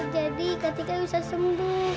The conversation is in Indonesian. jadi kak tika bisa sembuh